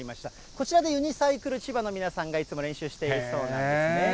こちらでユニサイクルちばの皆さんがいつも練習しているそうなんですね。